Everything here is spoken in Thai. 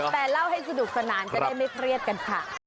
แต่เล่าให้สนุกสนานจะได้ไม่เครียดกันค่ะ